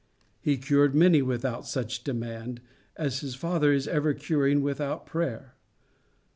He cured many without such demand, as his Father is ever curing without prayer.